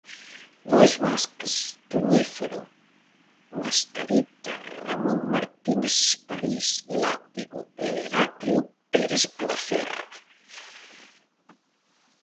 Lois Vázquez, Toñífero, Mascarita, Ramón Martínez Esparís, Látigo e Heraclio Pérez Placer.